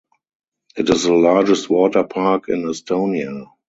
It is the largest water park in Estonia.